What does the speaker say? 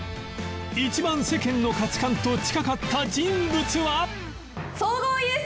１番世間の価値観と近かった人物は